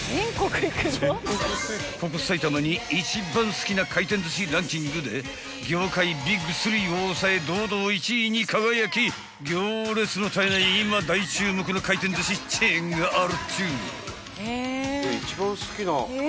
［ここ埼玉に一番好きな回転寿司ランキングで業界ビッグスリーを抑え堂々１位に輝き行列の絶えない今大注目の回転寿司チェーンがあるっちゅう］